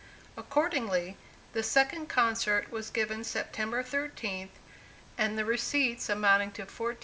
Accordingly, the second concert was given September 13th, and the receipts, amounting to $14,203.